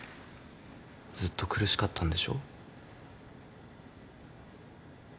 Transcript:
ずっと苦しかったんでしょ？